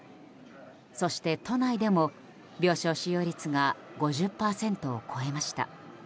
そして都内でも病床使用率が５０％を超えました。